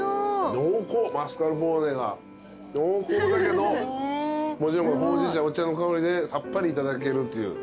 濃厚だけどもちろんほうじ茶お茶の香りでさっぱりいただけるという。